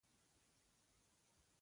کچالو له پوټکي سره هم خوړل کېږي